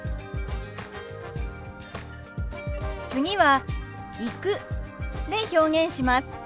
次は「行く」で表現します。